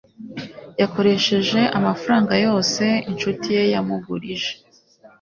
Yakoresheje amafaranga yose inshuti ye yamugurije